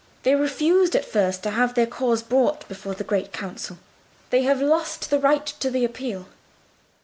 They refused at first to have their cause brought before the Great Council. They have lost the right to the appeal."